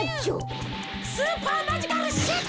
スーパーマジカルシュート！